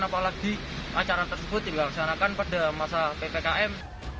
apalagi acara tersebut dilaksanakan pada masa ppkm